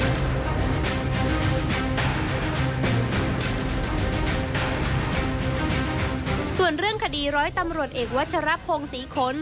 ส่วนเรื่องคดีร้อยตำรวจเอกวัชรพงศรีขน